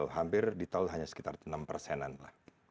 hampir di tol hanya sekitar enam persenan lah